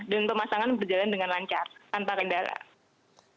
dan pemasangan berjalan dengan lancar tanpa kendaraan